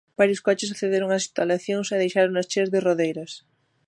Varios coches accederon ás instalacións e deixáronas cheas de rodeiras.